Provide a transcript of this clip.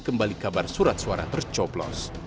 kembali kabar surat suara tercoblos